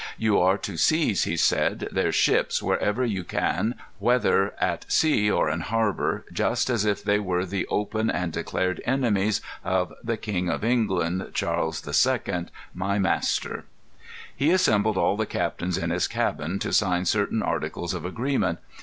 "You are to seize," he said, "their ships, wherever you can, whether at sea or in harbor, just as if they were the open and declared enemies of the King of England, Charles II., my master." He assembled all the captains in his cabin to sign certain articles of agreement.